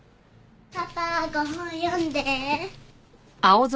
パパご本読んで！